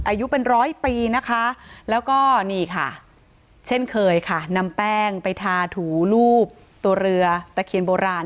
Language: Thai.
อายุเป็นร้อยปีนะคะแล้วก็นี่ค่ะเช่นเคยค่ะนำแป้งไปทาถูรูปตัวเรือตะเคียนโบราณ